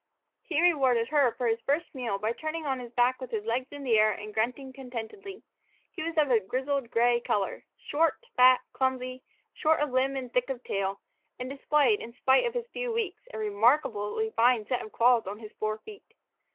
HE rewarded her for his first meal by turning on his back with his legs in the air and grunting contentedly. He was of a grizzled gray color, soft, fat, clumsy, short of limb and thick of tail, and displayed, in spite of his few weeks, a remarkably fine set of claws on his fore feet.